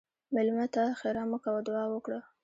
مېلمه ته ښیرا مه کوه، دعا وکړه.